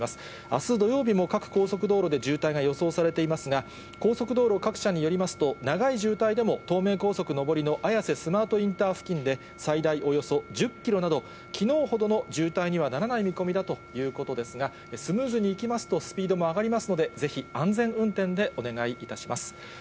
あす土曜日も各高速道路で渋滞が予想されていますが、高速道路各社によりますと、長い渋滞でも、東名高速上りの綾瀬スマートインター付近で最大およそ１０キロなど、きのうほどの渋滞にはならない見込みだということですが、スムーズにいきますと、スピードも上がりますので、ぜひ安全運転でお願いいたします。